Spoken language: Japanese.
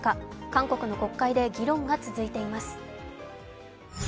韓国の国会で議論が続いています。